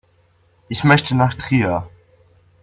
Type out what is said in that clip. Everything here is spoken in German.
Ich möchte nach Trier